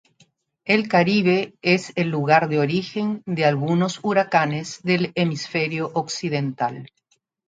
El Caribe es el lugar de origen de algunos huracanes del hemisferio occidental.